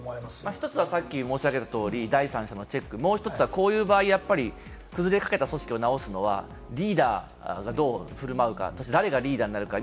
１つは申し上げた通り、第三者のチェック、こういう場合は崩れかけた組織を直すのはリーダー、どう振る舞うか、誰がリーダーになるか？